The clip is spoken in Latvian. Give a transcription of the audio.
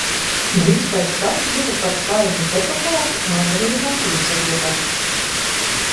Drīz pēc tam kļuva par Saeimas deputāti Anrija Matīsa vietā.